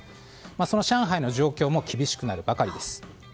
その上海の状況も厳しくなるばかりです。